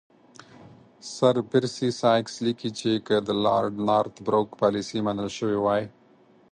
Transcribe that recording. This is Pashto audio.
سر پرسي سایکس لیکي چې که د لارډ نارت بروک پالیسي منل شوې وای.